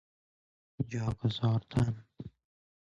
جا گذاردن